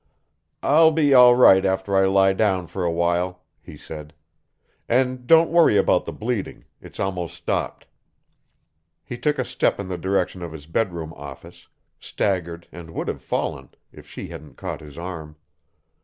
"I'll be all right after I lie down for a while," he said. "And don't worry about the bleeding it's almost stopped." He took a step in the direction of his bedroom office, staggered and would have fallen if she hadn't caught his arm.